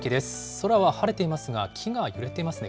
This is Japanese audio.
空は晴れていますが、木が揺れていますね。